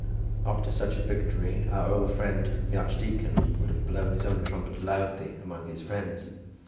After such a victory our old friend the archdeacon would have blown his own trumpet loudly among his friends.